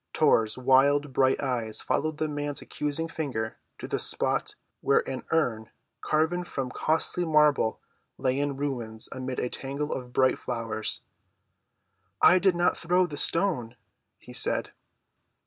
Tor's wild, bright eyes followed the man's accusing finger to the spot where an urn carven from costly marble lay in ruins amid a tangle of bright flowers. "I did not throw the stone," he said.